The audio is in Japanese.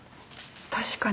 確かに。